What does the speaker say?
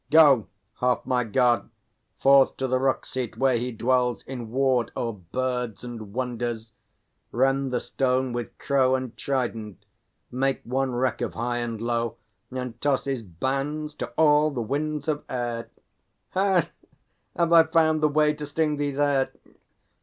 Go, half my guard, Forth to the rock seat where he dwells in ward O'er birds and wonders; rend the stone with crow And trident; make one wreck of high and low, And toss his bands to all the winds of air! Ha, have I found the way to sting thee, there?